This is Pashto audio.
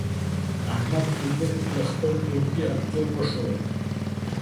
احمد ملګري ته د خپل ټولگي انځور وښود.